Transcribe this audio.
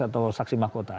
atau saksi mahkota